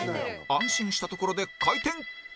安心したところで回転